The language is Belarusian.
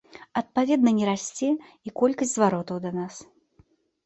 Адпаведна, не расце і колькасць зваротаў да нас.